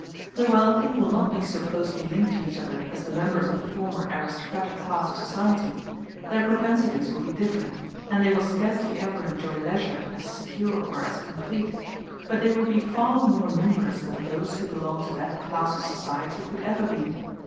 The wealthy will not be so closely linked to each other as the members of the former aristocratic class of society: their propensities will be different, and they will scarcely ever enjoy leisure as secure or as complete: but they will be far more numerous than those who belonged to that class of society could ever be.